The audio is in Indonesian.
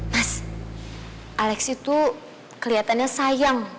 mas alex itu keliatannya sayang